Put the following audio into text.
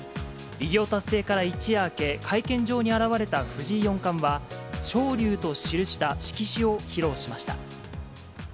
偉業達成から一夜明け、会見場に現れた藤井四冠は、昇龍と記した色紙を披露しました。